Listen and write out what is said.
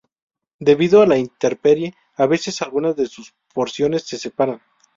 Debido a la intemperie, a veces algunas de sus porciones se separan.